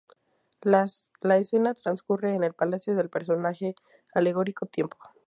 La escena transcurre en el Palacio del personaje alegórico Tiempo.